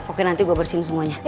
oke nanti gue bersihin semuanya